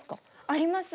あります。